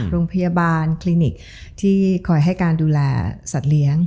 โรงพยาบาลคลินิกที่คอยให้การดูแลสัตว์เลี้ยง